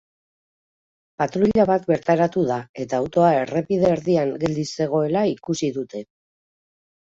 Patruila bat bertaratu da eta autoa errepide erdian geldi zegoela ikusi dute.